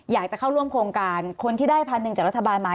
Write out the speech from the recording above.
อยากจะเข้าร่วมโครงการคนที่ได้พันหนึ่งจากรัฐบาลมา